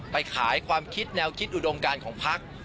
ไปขายความคิดแนวคิดอุดมการของพัก